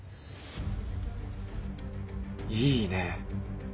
いいねぇ。